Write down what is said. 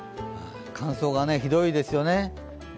乾燥がひどいですよね。